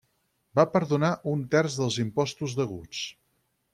Va perdonar un terç dels impostos deguts.